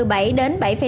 để phát triển điện gió